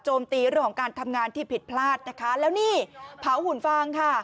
โจมตีรวมการทำงานที่ผิดพลาดแล้วนี่เผาหุ่นฟางค่ะ